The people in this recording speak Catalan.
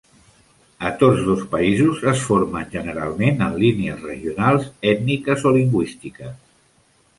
A tots dos països, es formen generalment en línies regionals, ètniques o lingüístiques.